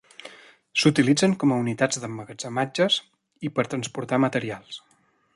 S'utilitzen com a unitats d'emmagatzematges i per transportar materials.